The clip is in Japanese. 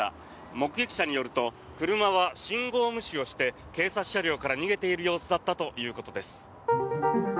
目撃者によると車は信号無視をして警察車両から逃げている様子だったということです。